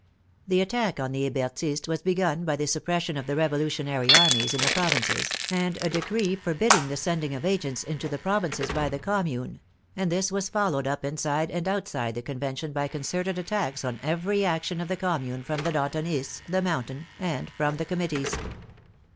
The attack on the Hebertists was begun by the suppression of the revolutionary armies in the provinces, and a decree forbidding the sending of agents into the provinces by the Commune, and this was followed up inside and outside the Convention by concerted at tacks on every action of the Commune from the Danton ists, the Mountain, and from the Committees.